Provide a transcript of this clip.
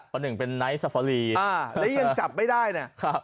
ก็หนึ่งเป็นน้ำสฝรีอ่าแล้วยังจับไม่ได้น่ะครับ